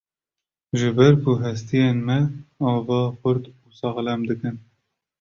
Ji ber ku hestiyên me ava, xurt û saxlem dikin.